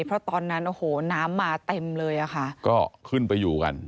เพราะตอนนั้นโอ้โหน้ำมาเต็มเลยอ่ะค่ะก็ขึ้นไปอยู่กัน